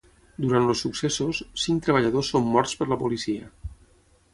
Durant els successos, cinc treballadors són morts per la policia.